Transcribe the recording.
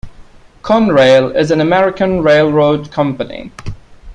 Conrail is an American railroad company.